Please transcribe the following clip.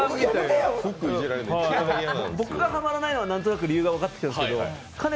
僕がハマらないのはなんとなく理由は分かってきたんですけどかね